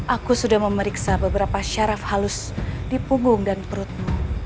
aku sudah memeriksa beberapa syaraf halus di punggung dan perutmu